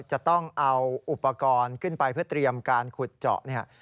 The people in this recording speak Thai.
จะต้องเอาอุปกรณ์ขึ้นไปเพื่อเตรียมการขุดเจาะเนี่ย